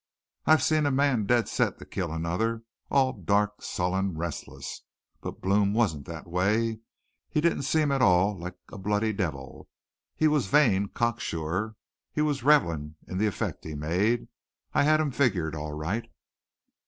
I've seen a man dead set to kill another, all dark, sullen, restless. But Blome wasn't that way. He didn't seem at all like a bloody devil. He was vain, cocksure. He was revelin' in the effect he made. I had him figured all right.